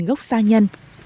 một gốc xa nhân